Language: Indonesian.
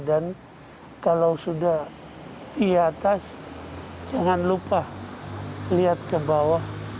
dan kalau sudah di atas jangan lupa lihat ke bawah